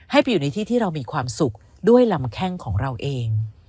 ไปอยู่ในที่ที่เรามีความสุขด้วยลำแข้งของเราเอง